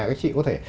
các chị có thể